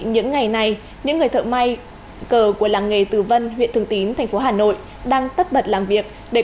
những ngày này những người thợ may cờ của làng nghề tử vân huyện thường tín thành phố hà nội đang tất bật làm việc để